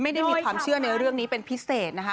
ไม่ได้มีความเชื่อในเรื่องนี้เป็นพิเศษนะคะ